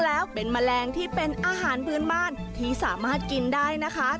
แล้วเป็นแมลงที่เป็นอาหารพื้นบ้านที่สามารถกินได้นะคะ